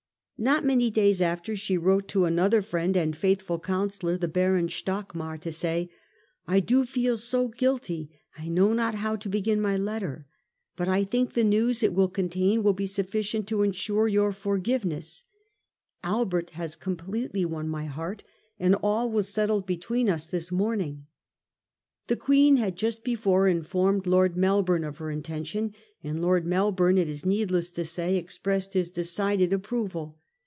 Not many days after she wrote to another friend and faithful counsellor, the Baron Stockmar, to say, ' I do feel so guilty I know not how to begin my letter ; but I think the news it will contain will be sufficient to ensure your forgiveness. Albert has completely won 1840. PRINCE ALBERT. 145 my heart, and all was settled between us this morn ing.' The Queen had just before informed Lord Melbourne of her intention, and Lord Melbourne, it is needless to say, expressed his decided approval.